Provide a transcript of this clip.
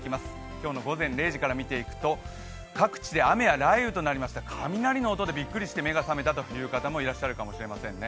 今日の午前０時から見ていくと各地で雨や雷雨となりまして雷の音でびっくりして目が覚めたという方もいらっしゃるかもしれませんね。